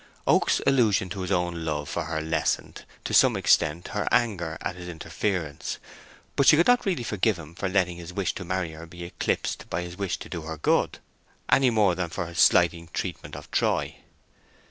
Oak's allusion to his own love for her lessened, to some extent, her anger at his interference; but she could not really forgive him for letting his wish to marry her be eclipsed by his wish to do her good, any more than for his slighting treatment of Troy.